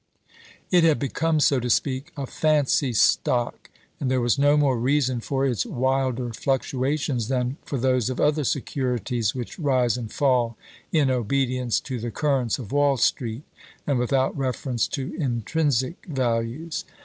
It had become, so to speak, a fancy stock, and there was no more reason for its wilder fluctua tions than for those of other securities which rise and fall in obedience to the currents of Wall street and without reference to intrinsic values.